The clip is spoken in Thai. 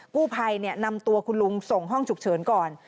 กู้ภัยนำตัวคุณลุงส่งห้องฉุกเฉินก่อน